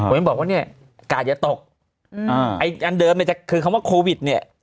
มันบอกว่าเนี่ยกาดอย่าตกไอ้อันเดิมเนี่ยจะคือคำว่าโควิดเนี่ย